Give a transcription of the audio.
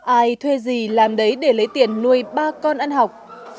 ai thuê gì làm đấy để lấy tiền nuôi ba con ăn học